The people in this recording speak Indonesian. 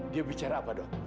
dia bicara apa dok